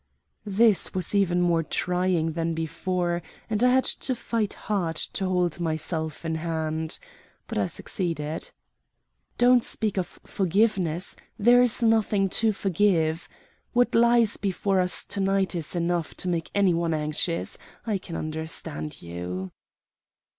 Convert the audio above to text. This was even more trying than before, and I had to fight hard to hold myself in hand. But I succeeded. "Don't speak of forgiveness; there is nothing to forgive. What lies before us to night is enough to make any one anxious. I can understand you."